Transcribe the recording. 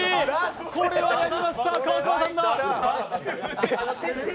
これはやりました、川島さんだ。